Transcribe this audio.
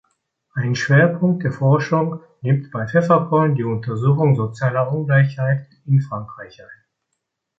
Einen Schwerpunkt der Forschung nimmt bei Pfefferkorn die Untersuchung sozialer Ungleichheit in Frankreich ein.